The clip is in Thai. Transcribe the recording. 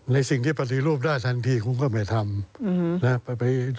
ในสิ่งที่ปฏิรูปได้ทันทีคุณก็ไม่ทำนะ